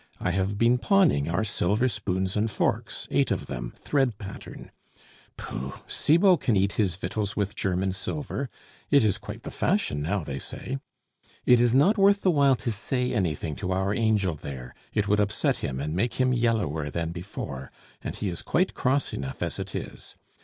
I have been pawning our silver spoons and forks, eight of them, thread pattern. Pooh, Cibot can eat his victuals with German silver; it is quite the fashion now, they say. It is not worth while to say anything to our angel there; it would upset him and make him yellower than before, and he is quite cross enough as it is.